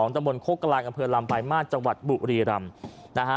ตะบนโคกราณกำเภอลำไปมาตรจังหวัดบุรีลำ